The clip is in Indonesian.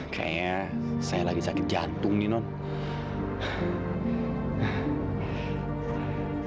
kayaknya saya lagi sakit jantung di nomor